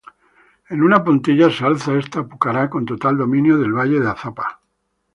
En una puntilla se alza este pucará, con total dominio del valle de Azapa.